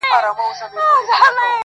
چي پاتېږي له نسلونو تر نسلونو.!.!